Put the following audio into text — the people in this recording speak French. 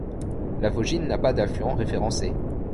La Vaugine n'a pas d'affluent référencé.